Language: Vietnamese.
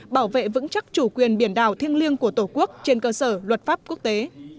bảo vệ vững chắc chủ quyền biển đảo thiêng liêng của tổ quốc trên cơ sở luật pháp quốc tế